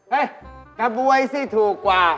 กระบวยสิถูกกว่า